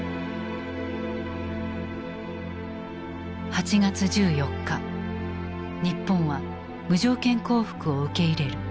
８月１４日日本は無条件降伏を受け入れる。